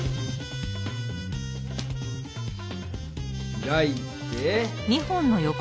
開いて。